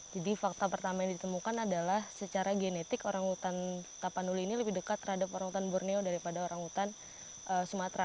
jadi fakta pertama yang ditemukan adalah secara genetik orangutan tapanuli ini lebih dekat terhadap orangutan borneo daripada orangutan sumatera